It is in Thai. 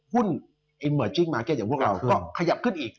หุ้นอิมเมอร์จีงมาร์เก็ตขยับขึ้นอีก